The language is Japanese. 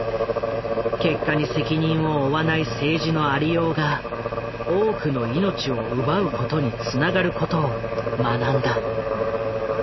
結果に責任を負わない政治のありようが多くの命を奪うことにつながることを学んだ。